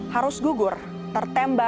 harus gugur tertembak